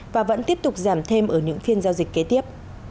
và vẫn tiếp tục giảm thêm ở những phiên giao dịch kế tiếp